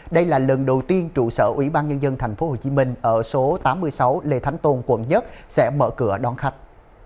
đây là lần đầu tiên trụ sở ủy ban nhân dân thành phố hồ chí minh ở số tám mươi sáu lê thánh tôn quận một sẽ mở cửa đón khách